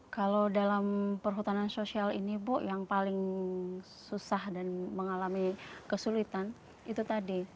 kalau dalam perhutanan sosial ini bu yang paling susah dan mengalami kesulitan itu tadi